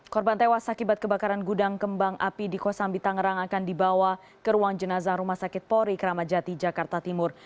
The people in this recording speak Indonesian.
korban tewas akibat kebakaran gudang kembang api di kosambi tangerang akan dibawa ke ruang jenazah rumah sakit polri kramajati jakarta timur